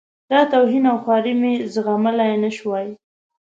دا توهین او خواري مې زغملای نه شوای.